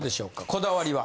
こだわりは。